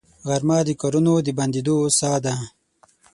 غرمه د کارونو د بندېدو ساه ده